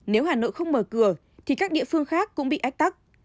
nếu hà nội không mở cửa thì các địa phương khác cũng bị ách tắc